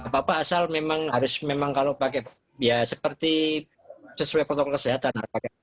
bapak asal memang harus memang kalau pakai ya seperti sesuai protokol kesehatan